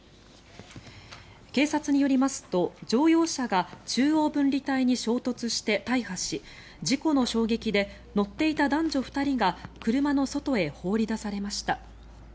警察によりますと、乗用車が中央分離帯に衝突して大破し事故の衝撃で乗っていた男女２人が車の外へ放り出されました。